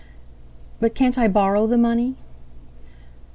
"But can't I borrow the money?"